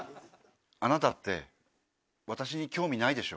あなたって私に興味ないでしょ？